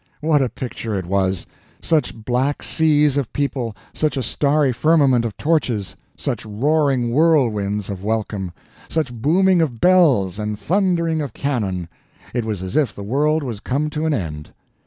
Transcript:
What a picture it was! Such black seas of people, such a starry firmament of torches, such roaring whirlwinds of welcome, such booming of bells and thundering of cannon! It was as if the world was come to an end.